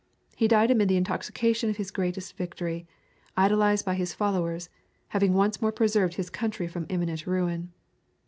He died amid the intoxication of his greatest victory, idolized by his followers, having once more preserved his country from imminent ruin.